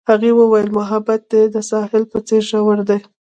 هغې وویل محبت یې د ساحل په څېر ژور دی.